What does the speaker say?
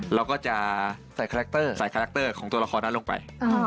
เราก็จะใส่คาแรคเตอร์ของตัวละครนั้นลงไป